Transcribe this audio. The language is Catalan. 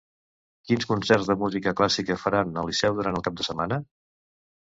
Quins concerts de música clàssica faran al Liceu durant el cap de setmana?